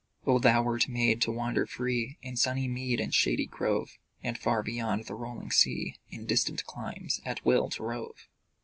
Oh, thou wert made to wander free In sunny mead and shady grove, And far beyond the rolling sea, In distant climes, at will to rove!